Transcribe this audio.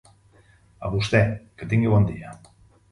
A vostè, que tingui bon dia.